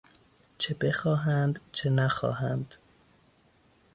چه بخواهند چه نخواهند.